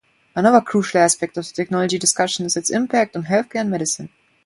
Another crucial aspect of the technology discussion is its impact on healthcare and medicine.